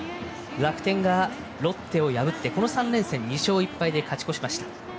楽天がロッテを破ってこの３連戦２勝１敗で勝ち越しました。